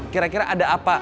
kira kira ada apa